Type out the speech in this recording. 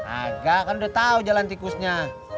agak kan udah tahu jalan tikusnya